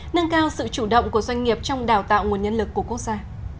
nâng cao sự chủ động của doanh nghiệp trong đào tạo nguồn nhân lực của quốc gia